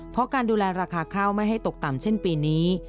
เพราะการดูแลราคาข้าวไม่ให้ตกต่ำเช่นปีนี้